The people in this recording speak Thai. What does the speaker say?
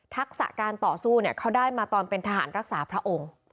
ทักษะการต่อสู้เขาได้มาตอนเป็นทหารรักษาพระองค์